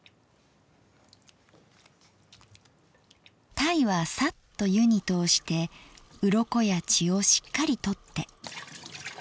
鯛はサッと湯に通してウロコや血をしっかり取って。